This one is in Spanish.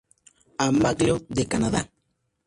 A. MacLeod, de Canadá.